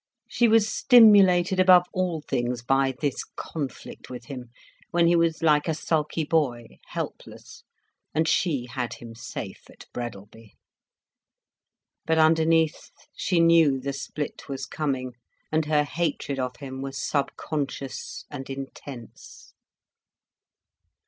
She was stimulated above all things by this conflict with him, when he was like a sulky boy, helpless, and she had him safe at Breadalby. But underneath she knew the split was coming, and her hatred of him was subconscious and intense.